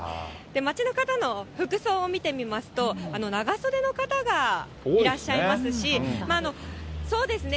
街の方の服装を見てみますと、長袖の方がいらっしゃいますし、そうですね。